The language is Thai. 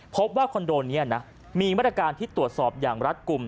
คอนโดนี้นะมีมาตรการที่ตรวจสอบอย่างรัฐกลุ่ม